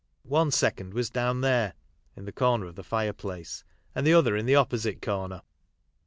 One second was down there (in the corner of the fire place), and the other in the opposite corner.